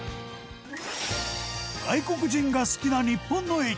外国人が好きな日本の駅